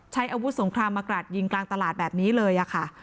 ใช้อาวุธสงครามมากราดยิงกลางตลาดแบบนี้เลยค่ะ